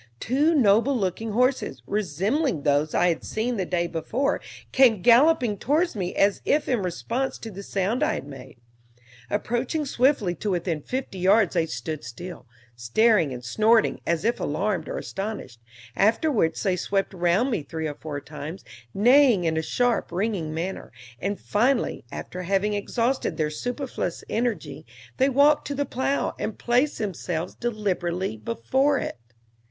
Two noble looking horses, resembling those I had seen the day before, came galloping towards me as if in response to the sound I had made. Approaching swiftly to within fifty yards they stood still, staring and snorting as if alarmed or astonished, after which they swept round me three or four times, neighing in a sharp, ringing manner, and finally, after having exhausted their superfluous energy, they walked to the plow and placed themselves deliberately before it.